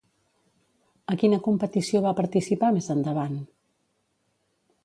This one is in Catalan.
A quina competició va participar més endavant?